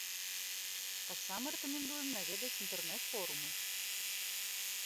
Таксама рэкамендуем наведаць інтэрнэт-форумы.